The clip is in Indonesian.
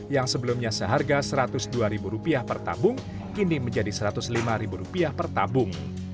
yang sebelumnya seharga rp satu ratus dua per tabung kini menjadi rp satu ratus lima per tabung